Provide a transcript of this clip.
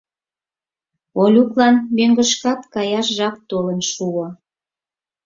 Олюклан мӧҥгышкат каяш жап толын шуо.